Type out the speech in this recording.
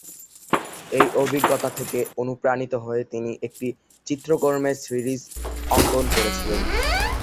এই অভিজ্ঞতা থেকে অনুপ্রাণিত হয়ে তিনি একটি চিত্রকর্মের সিরিজ অঙ্কন করেছিলেন।